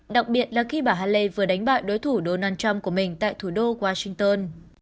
đặc biệt là khi bà haley vừa đánh bại đối thủ donald trump của mình tại thủ đô washington